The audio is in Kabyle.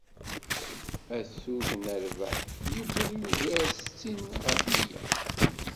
Atug n rrbeḥ yewweḍ yugar settin ɣef amyag.